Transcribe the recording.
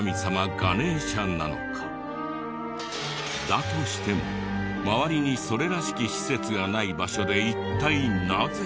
だとしても周りにそれらしき施設がない場所で一体なぜ？